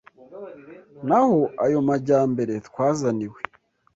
N’aho ayo majyambere twazaniwe